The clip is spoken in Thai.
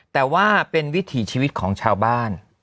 แต่ว่าเป็นวิถีชีวิตของชาวบ้าน